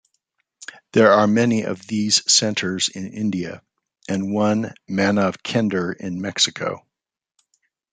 There are many of these centers in India, and one Manav Kender in Mexico.